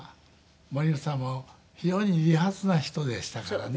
森光子さんも非常に利発な人でしたからね。